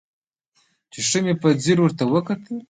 چې ښه مې په ځير ورته وکتل.